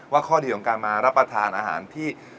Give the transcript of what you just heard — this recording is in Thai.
ข้อดีของการมารับประทานอาหารที่